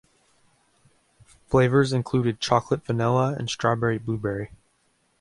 Flavors included chocolate-vanilla and strawberry-blueberry.